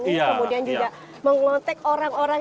untuk kemudian juga mengontek orang orang